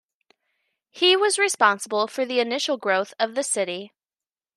He was responsible for the initial growth of the city.